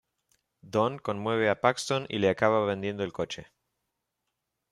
Don conmueve a Paxton y le acaba vendiendo el coche.